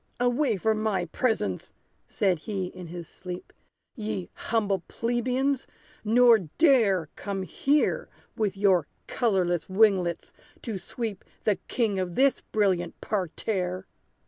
"Away from my presence!" said he, in his sleep, "Ye humble plebeians! nor dare Come here with your colorless winglets to sweep The king of this brilliant parterre!"